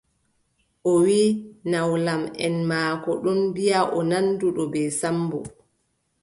O wiʼi nawlamʼen maako ɗon mbiʼi o nanduɗo bee Sammbo.